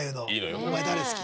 「お前誰好き？」